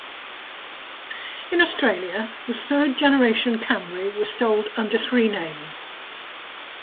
In Australia, the third generation Camry was sold under three names.